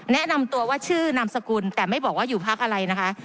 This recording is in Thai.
แนะนำตัวว่าชื่อนามสกุลแต่ไม่บอกว่าอยู่พักอะไรนะคะ